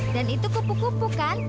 dan itu kupu kupu kan